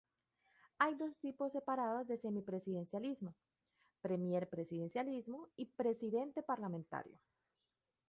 Hay dos subtipos separados de semi-presidencialismo: premier-presidencialismo y presidente-parlamentario.